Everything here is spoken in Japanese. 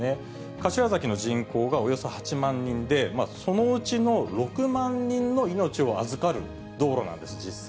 柏崎の人口がおよそ８万人で、そのうちの６万人の命を預かる道路なんです、実際。